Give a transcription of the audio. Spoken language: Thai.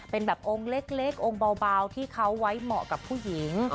เด็กองค์เบาที่เขาไว้เหมาะกับผู้หญิง